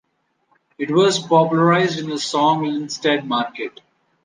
It was popularized in the song Linstead Market.